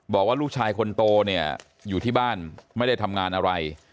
บอกว่าลูกชายคนโตเนี่ยอยู่ที่บ้านไม่ได้ทำงานอะไร